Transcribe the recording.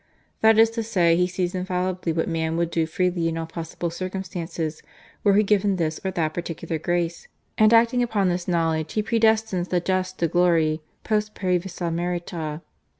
That is to say He sees infallibly what man would do freely in all possible circumstances were he given this or that particular Grace, and acting upon this knowledge He predestines the just to glory /post praevisa merita